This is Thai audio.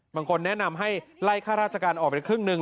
บางคนแนะนำให้ไล่ค่าราชการออกไปครึ่งหนึ่ง